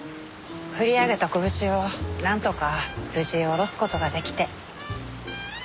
振り上げた拳をなんとか無事下ろす事が出来て。